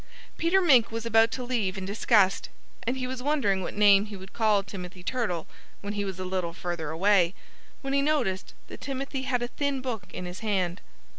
Peter Mink was about to leave in disgust; and he was wondering what name he would call Timothy Turtle, when he was a little further away, when he noticed that Timothy had a thin book in his hand.